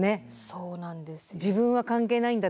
そうなんです。